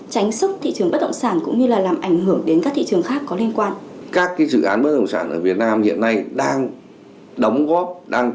tránh sốc thị trường bất động sản cũng như là làm ảnh hưởng đến các thị trường khác có liên quan